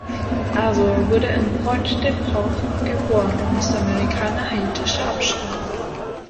Azor wurde in Port-de-Paix geboren und ist Amerikaner haitianischer Abstammung.